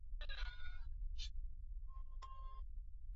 katika Ujerumani na kuiwezesha kutengeneza mabomu ya kwanza